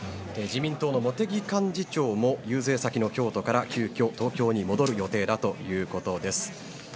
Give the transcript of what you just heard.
自民党の茂木幹事長も遊説先の京都から、急きょ東京に戻る予定だということです。